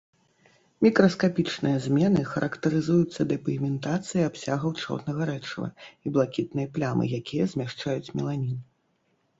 Макраскапічныя змены характарызуюцца дэпігментацыяй абсягаў чорнага рэчыва і блакітнай плямы, якія змяшчаюць меланін.